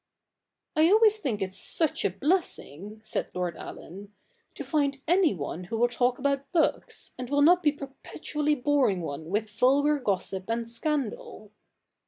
' I always think it such a blessing,' said Lord Allen, ' to find anyone who will talk about books, and will not be perpetually boring one with vulgar gossip and scandal.'